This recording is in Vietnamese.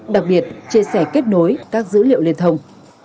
đặc biệt chia sẻ kết nối các dữ liệu liên thông